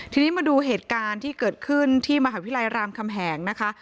ทีนี้มาดูเหตุการณ์ที่เกิดขึ้นที่มหาวิทยาลัยรามคำแหงนะคะ